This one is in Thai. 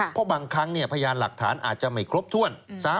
เพราะบางครั้งพยานหลักฐานอาจจะไม่ครบถ้วน